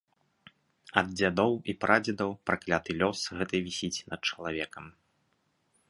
Ад дзядоў і прадзедаў пракляты лёс гэты вісіць над чалавекам.